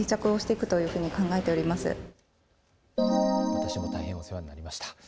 私も大変お世話になりました。